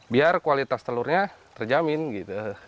biar kualitas telurnya terjamin gitu